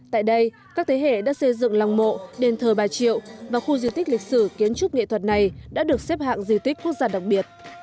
tại đây các thế hệ đã xây dựng lòng mộ đền thờ bà triệu và khu di tích lịch sử kiến trúc nghệ thuật này đã được xếp hạng di tích quốc gia đặc biệt